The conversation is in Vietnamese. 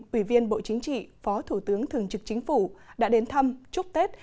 ủy viên bộ chính trị phó thủ tướng thường trực chính phủ đã đến thăm chúc tết